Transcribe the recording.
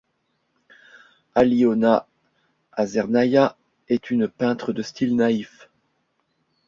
Alyona Azernaya est une peintre de style naïf.